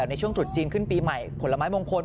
ในช่วงตรุษจีนขึ้นปีใหม่ผลไม้มงคล